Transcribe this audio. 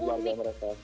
dengan warga mereka